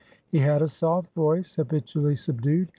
He had a soft voice, habitually subdued.